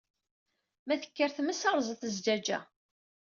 Ma tekker tmes, rẓet zzaj-a.